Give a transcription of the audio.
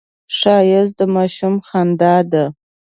ښایست د ماشوم خندا ده